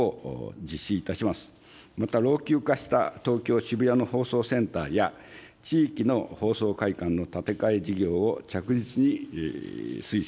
また、老朽化した東京・渋谷の放送センターや、地域の放送会館の建て替え事業を着実に推進してまいります。